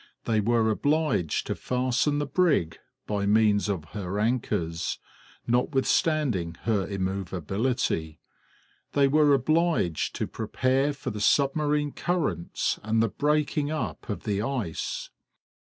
They were obliged to fasten the brig by means of her anchors, notwithstanding her immovability; they were obliged to prepare for the submarine currents and the breaking up of the ice.